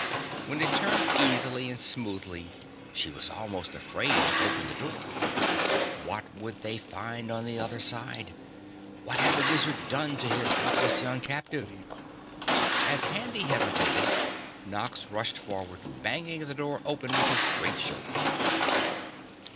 When it turned easily and smoothly she was almost afraid to open the door. What would they find on the other side? What had the wizard done to his helpless young captive? As Handy hesitated, Nox rushed forward, banging the door open with his great shoulder.